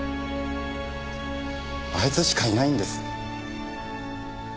あいつしかいないんです。